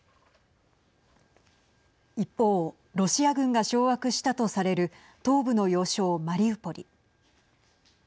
一方ロシア軍が掌握したとされる東部の要衝マリウポリ。